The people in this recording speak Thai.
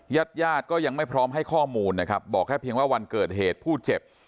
ญาติญาติก็ยังไม่พร้อมให้ข้อมูลนะครับบอกแค่เพียงว่าวันเกิดเหตุผู้เจ็บ